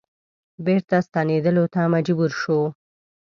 بیرته ستنیدلو ته مجبور شو.